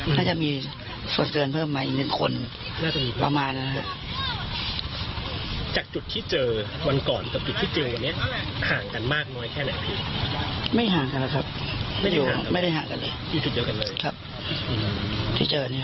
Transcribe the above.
น่าจะมีส่วนเกินเพิ่มมาอีกหนึ่งคนน่าจะมีประมาณนั้นครับจากจุดที่เจอวันก่อนกับจุดที่เจอวันเนี้ย